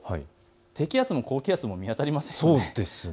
低気圧も高気圧も見当たりませんね。